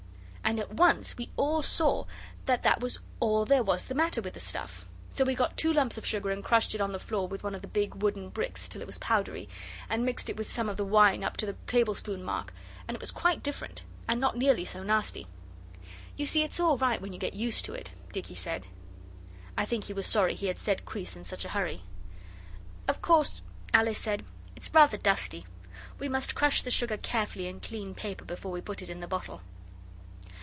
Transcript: And at once we all saw that that was all there was the matter with the stuff. So we got two lumps of sugar and crushed it on the floor with one of the big wooden bricks till it was powdery, and mixed it with some of the wine up to the tablespoon mark, and it was quite different, and not nearly so nasty. 'You see it's all right when you get used to it,' Dicky said. I think he was sorry he had said 'Quis?' in such a hurry. 'Of course,' Alice said, 'it's rather dusty. We must crush the sugar carefully in clean paper before we put it in the bottle.